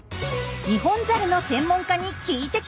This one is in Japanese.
ニホンザルの専門家に聞いてきました。